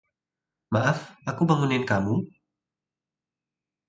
Maaf, aku bangunin kamu?